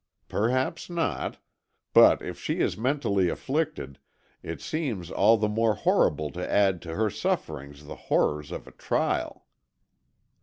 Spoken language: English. "Perhaps not. But if she is mentally afflicted, it seems all the more horrible to add to her sufferings the horrors of a trial."